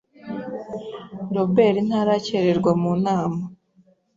Robert ntarakererwa mu nama.